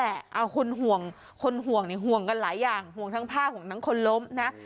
เอาคนห่วงคนห่วงเนี่ยห่วงกันหลายอย่างห่วงทั้งผ้าห่วงทั้งคนล้มนะ